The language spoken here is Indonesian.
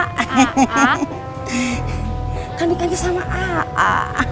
khanikannya sama aaa